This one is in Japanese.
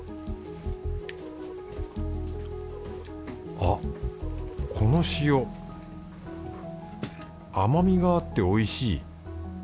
あっこの塩甘みがあっておいしい